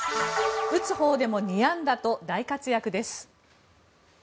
打つほうでも２安打と大活躍です。